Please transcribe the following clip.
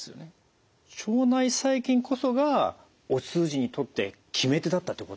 腸内細菌こそがお通じにとって決め手だったということ？